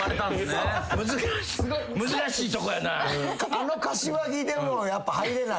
あの柏木でもやっぱ入れない。